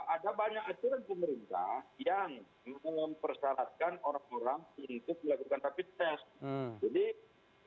ada banyak aturan pemerintah yang mempersyaratkan orang orang untuk melakukan rapid test